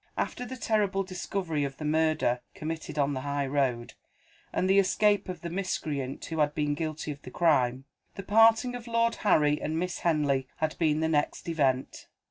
After the terrible discovery of the murder (committed on the high road), and the escape of the miscreant who had been guilty of the crime, the parting of Lord Harry and Miss Henley had been the next event.